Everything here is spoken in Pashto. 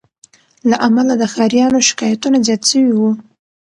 له امله د ښاریانو شکایتونه زیات سوي وه